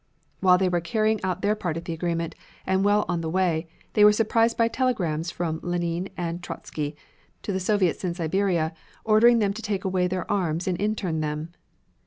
While they were carrying out their part of the agreement, and well on the way, they were surprised by telegrams from Lenine and Trotzky to the Soviets in Siberia ordering them to take away their arms and intern them.